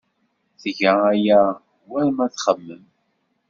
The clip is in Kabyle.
Tga aya war ma txemmem.